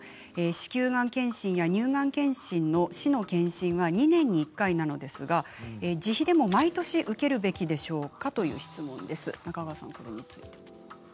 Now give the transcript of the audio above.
子宮がん検診や乳がん検診の市の検診は２年に１回なのですが自費で毎年、受けるべきですかという質問です。